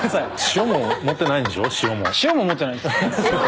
塩も持ってないです。